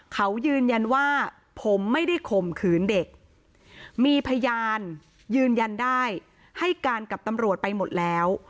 เขายืนยันว่าผมไม่ได้ข่มขืนเด็กมีพยานยืนยันได้ให้การกับตำรวจไปหมดแล้ว